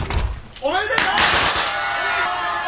おめでとう！